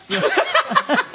ハハハハ！